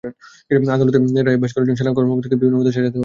আদালতের রায়ে বেশ কয়েকজন সেনা কর্মকর্তাকে বিভিন্ন মেয়াদে সাজা দেওয়া হয়।